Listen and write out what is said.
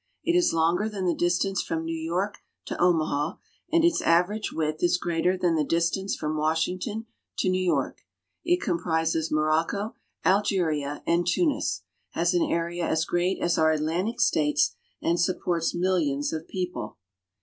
It is longer than the distance from New York to Omaha, and its average width is greater than the distance from Washington to New York. It comprises Morocco, Algeria, and Tunis, has an area as great as our Atlantic States, and supports millions of people.